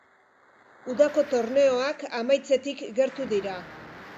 Udako torneoak amaitzetik gertu dira.